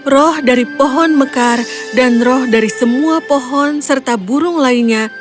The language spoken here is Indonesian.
roh dari pohon mekar dan roh dari semua pohon serta burung lainnya